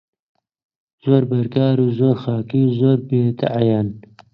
زۆر بەکار و زۆر خاکی و بێدەعیەن